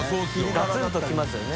ガツンときますよね。